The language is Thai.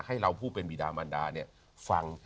ให้เราผู้เป็นบีดามันดาฟัง